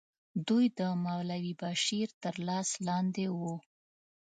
دوی د مولوي بشیر تر لاس لاندې وو.